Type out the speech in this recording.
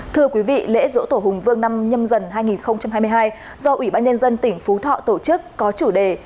thưa quý vị lễ dỗ tổ hùng vương năm nhâm dần hai nghìn hai mươi hai do ủy ban nhân dân tỉnh phú thọ tổ chức có chủ đề